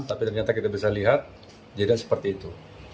tapi ternyata kita bisa lihat jadinya seperti itu